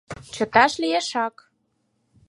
— Чыташ лиешак.